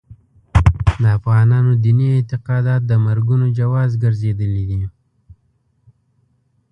د افغانانو دیني اعتقادات د مرګونو جواز ګرځېدلي دي.